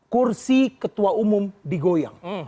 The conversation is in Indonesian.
kursi ketua umum digoyang